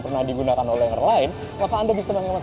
pernah digunakan oleh orang lain maka anda bisa menghemat banyak uang